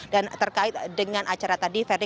dan terkait dengan acara tadi verdi